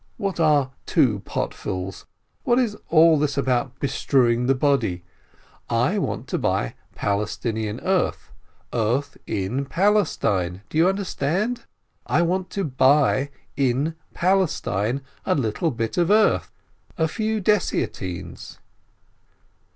"What are two potfuls ? What is all this about bestrew ing the body? I want to buy Palestinian earth, earth in Palestine, do you understand? I want to buy, in Palestine, a little bit of earth, a few dessiatines."